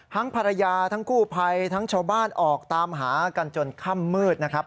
ภรรยาทั้งกู้ภัยทั้งชาวบ้านออกตามหากันจนค่ำมืดนะครับ